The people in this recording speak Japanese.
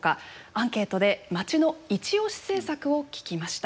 アンケートでまちのイチオシ政策を聞きました。